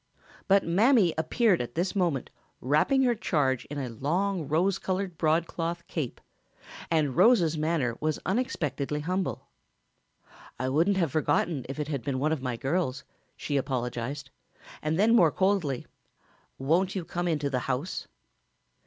But Mammy appeared at this moment wrapping her charge in a long rose colored broadcloth cape, and Rose's manner was unexpectedly humble. "I wouldn't have forgotten if it had been one of my girls," she apologized, and then more coldly, "Won't you come into the house?"